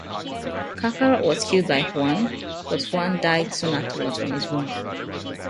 Carcharoth was killed by Huan, but Huan died soon afterwards from his wounds.